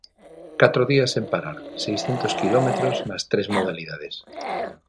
Catro días sen parar, seiscentos quilómetros nas tres modalidades.